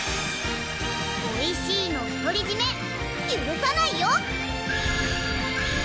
おいしいの独り占めゆるさないよ！